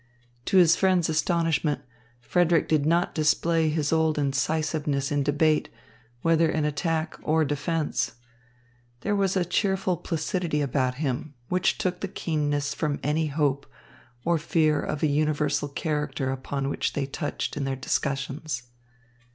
To his friend's astonishment, Frederick did not display his old incisiveness in debate, whether in attack or defence. There was a cheerful placidity about him which took the keenness from any hope or fear of a universal character upon which they touched in their discussions.